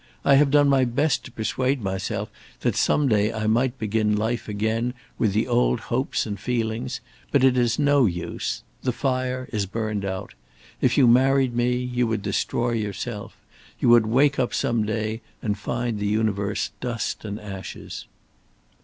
I have done my best to persuade myself that some day I might begin life again with the old hopes and feelings, but it is no use. The fire is burned out. If you married me, you would destroy yourself You would wake up some day, and find the universe dust and ashes."